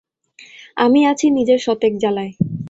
আমি আছি নিজের শতেক জ্বালায়।